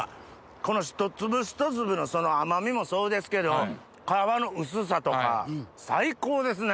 このひと粒ひと粒の甘みもそうですけど皮の薄さとか最高ですね！